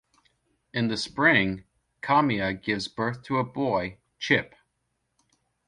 In the spring, Kamiah gives birth to a boy, Chip.